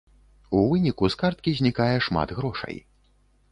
У выніку з карткі знікае шмат грошай.